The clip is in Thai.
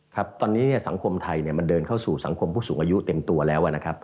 ครับตอนนี้สังคมไทยมันเดินเข้าสู่สังคมผู้สูงอายุเต็มตัวแล้วนะครับ